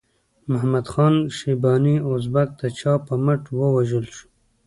محمد خان شیباني ازبک د چا په مټ ووژل شو؟